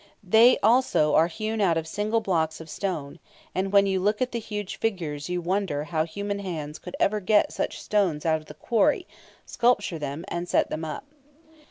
They also are hewn out of single blocks of stone, and when you look at the huge figures you wonder how human hands could ever get such stones out of the quarry, sculpture them, and set them up.